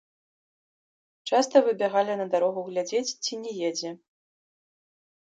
Часта выбягалі на дарогу глядзець, ці не едзе.